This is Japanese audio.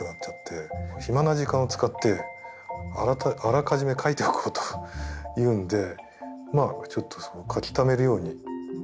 暇な時間を使ってあらかじめ描いておこうというんでまあちょっと描きためるように。